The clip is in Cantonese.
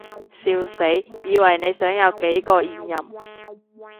笑死，以為你想有幾個現任